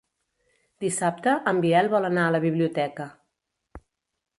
Dissabte en Biel vol anar a la biblioteca.